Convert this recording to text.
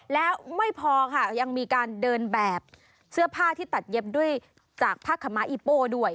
แล้วไม่พอค่ะยังมีการเดินแบบเสื้อผ้าที่ตัดเย็บด้วยจากผ้าขมะอีโป้ด้วย